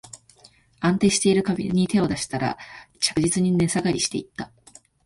安定してる株に手を出したら、着実に値下がりしていった